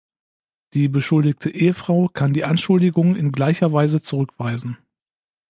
Die beschuldigte Ehefrau kann die Anschuldigung in gleicher Weise zurückweisen.